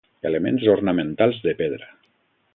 Elements ornamentals de pedra.